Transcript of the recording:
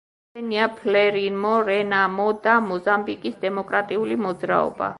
ესენია: ფრელიმო, რენამო და მოზამბიკის დემოკრატიული მოძრაობა.